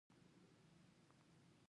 د زړه و زړه لار وي.